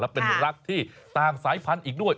เป็นรักที่ต่างสายพันธุ์อีกด้วย